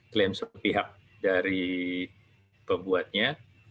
klaim sepihak dari pembuatnya